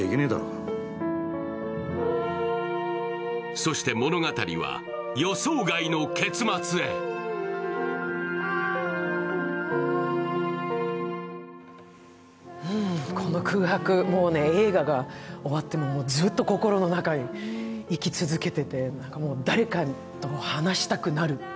そして、物語は予想外の結末へこの空白、もう映画が終わってもずっと心の中に生き続けてて、誰かと話したくなる。